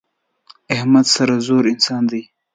احمد سرزوره انسان دی.